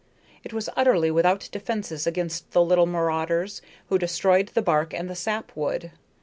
It was utterly without defenses against the little marauders who destroyed the bark and the sap wood.